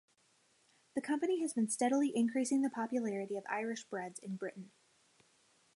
The company has been steadily increasing the popularity of Irish breads in Britain.